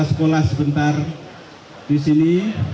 sekolah sebentar di sini